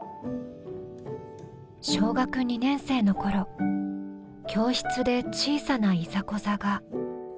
小学２年生の頃教室で小さないざこざが。